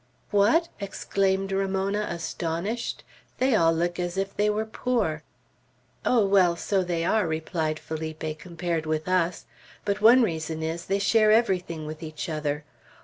"What!" exclaimed Ramona, astonished. "They all look as if they were poor." "Oh, well, so they are," replied Felipe, "compared with us; but one reason is, they share everything with each other.